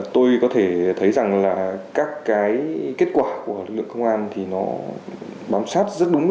tôi có thể thấy rằng là các cái kết quả của lực lượng công an